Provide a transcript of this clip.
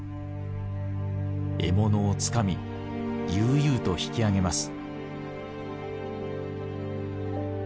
獲物をつかみ悠々と引き上げます。